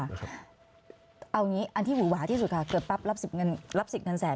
เอาอย่างนี้อันที่หูหวะที่สุดค่ะเกือบรับสิบกันแสน